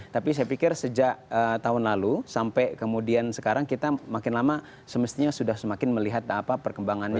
tapi saya pikir sejak tahun lalu sampai kemudian sekarang kita semestinya semakin melihat perkembangannya